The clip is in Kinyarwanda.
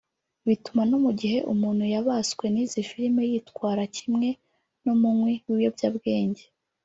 bituma no mugihe umuntu yabaswe n’izi film yitwara kimwe n’umunywi w’ibiyobyabwenge